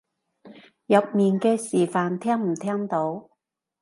入面嘅示範聽唔聽到？